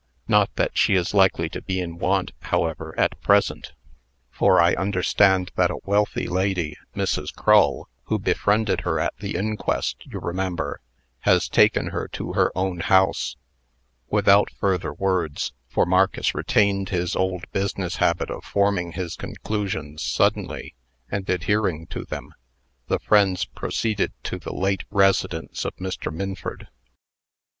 Not that she is likely to be in want, however, at present, for I understand that a wealthy lady, Mrs. Crull, who befriended her at the inquest, you remember, has taken her to her own house." Without further words for Marcus retained his old business habit of forming his conclusions suddenly, and adhering to them the friends proceeded to the late residence of Mr. Minford.